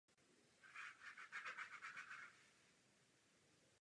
Hlavní cirkulace probíhá především podél pobřeží.